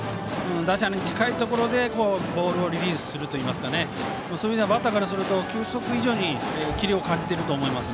打者に近いところでボールをリリースするというかバッターからすると球速以上にキレを感じていると思います。